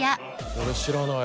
俺知らない。